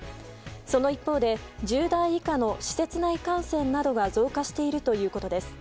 その一方で、１０代以下の施設内感染などが増加しているということです。